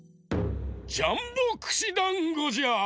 ジャンボくしだんごじゃ！